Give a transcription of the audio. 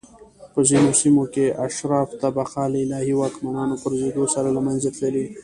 په ځینو سیمو کې اشراف طبقه له الهي واکمنانو پرځېدو سره له منځه تللي